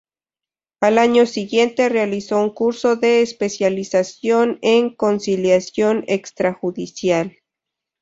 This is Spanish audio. Al año siguiente realizó un curso de especialización en conciliación extrajudicial.